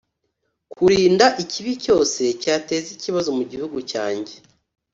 kurinda ikibi cyose cyateza ikibazo mu gihugu cyanjye